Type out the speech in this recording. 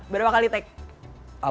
berapa kali take